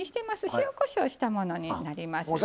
塩・こしょうしたものになりますね。